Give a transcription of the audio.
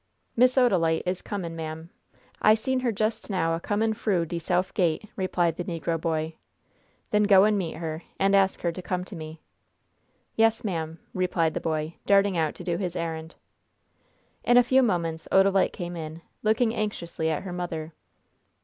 "Miss Odalite is comin', ma'am. I seen her just now a comin' froo de souf gate," replied the negro boy. "Then go and meet her, and ask her to come to me." "Yes, ma'am," replied the boy, darting out to do his errand. In a few moments Odalite came in, looking anxiously at her mother.